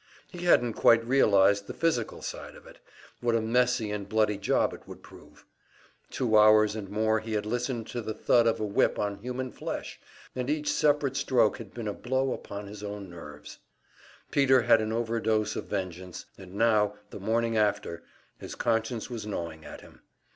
He hadn't quite realized the physical side of it, what a messy and bloody job it would prove. Two hours and more he had listened to the thud of a whip on human flesh, and each separate stroke had been a blow upon his own nerves. Peter had an overdose of vengeance; and now, the morning after, his conscience was gnawing at him.